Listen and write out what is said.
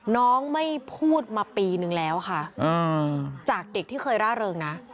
น้องไม่พูดมาปีนึงแล้วค่ะจากเด็กที่เคยร่าเริงนะ